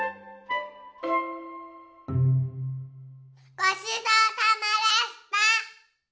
ごちそうさまでした。